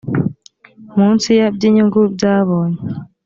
munsi ya by inyungu byabonye